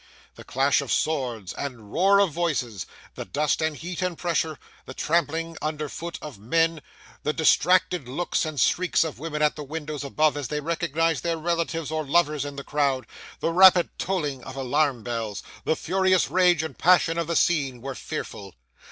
The clash of swords and roar of voices, the dust and heat and pressure, the trampling under foot of men, the distracted looks and shrieks of women at the windows above as they recognised their relatives or lovers in the crowd, the rapid tolling of alarm bells, the furious rage and passion of the scene, were fearful.